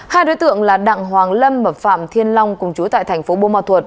hai đối tượng là đặng hoàng lâm và phạm thiên long cùng chú tại tp bô mò thuột